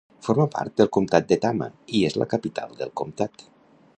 Forma part del comtat de Tama i és la capital del comtat.